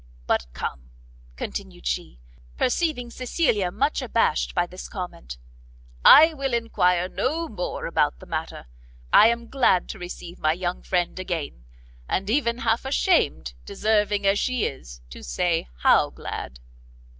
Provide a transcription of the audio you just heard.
But come," continued she, perceiving Cecilia much abashed by this comment, "I will enquire no more about the matter; I am glad to receive my young friend again, and even half ashamed, deserving as she is, to say how glad!"